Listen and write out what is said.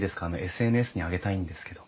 ＳＮＳに上げたいんですけど。